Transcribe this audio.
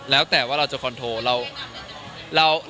แล้วแต่ว่าเราจะคอนโทร